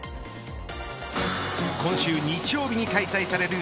今週日曜日に開催される